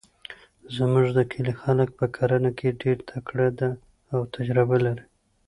زموږ د کلي خلک په کرنه کې ډیرتکړه ده او تجربه لري